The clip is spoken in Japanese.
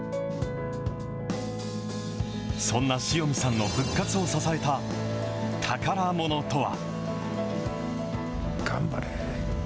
そんな塩見さんの復活を支えた宝ものとは。